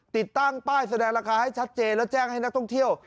ติดตั้งป้ายแสดงราคาให้ชัดเจนแล้วแจ้งให้นักท่องเที่ยว